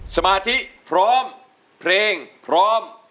สมาธิพร้อมเพลงพร้อม